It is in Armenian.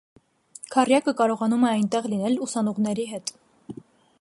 Քառյակը կարողանում է այնտեղ լինենլ ուսանողների հետ։